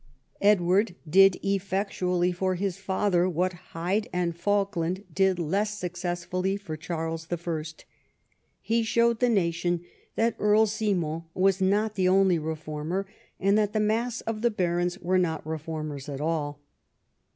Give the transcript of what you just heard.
Edward did effectually for his father what Hyde and Falkland did less successfully for Charles I. He showed the nation that Earl Simon was not the only reformer, and that the mass of the barons were not reformers at all.